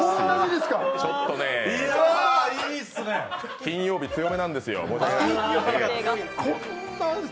金曜日、強めなんですよ